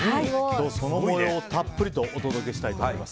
その模様をたっぷりとお届けしたいと思います。